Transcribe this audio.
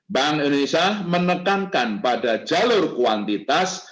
bank indonesia menekankan pada jalur kuantitas